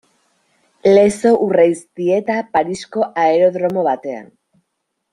Lezo Urreiztieta Parisko aerodromo batean.